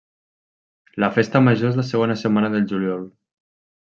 La festa major és la segona setmana de juliol.